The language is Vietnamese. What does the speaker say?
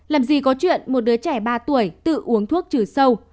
làm gì có chuyện một đứa trẻ ba tuổi tự uống thuốc trừ sâu